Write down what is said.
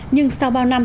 nhưng sau bao năm